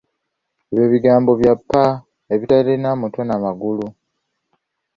Ebyo bigambo bya ppa ebitalina mutwe n'amagulu.